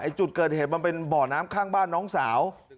จุดเกิดเหตุมันเป็นบ่อน้ำข้างบ้านน้องสาว